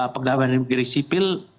penggabungan negeri sipil